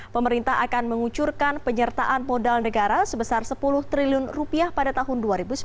pemerintah akan mengucurkan penyertaan modal negara sebesar sepuluh triliun rupiah pada tahun dua ribu sembilan belas